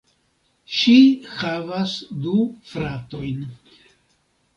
Ŝi havas du fratojn.